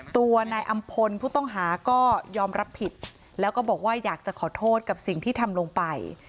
ตัวนายอำพลผู้ต้องหาก็ยอมรับผิดแล้วก็บอกว่าอยากจะขอโทษกับสิ่งที่ทำลงไป